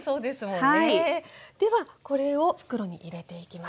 ではこれを袋に入れていきます。